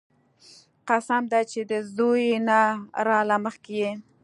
قسم دې چې د زوى نه راله مخکې يې.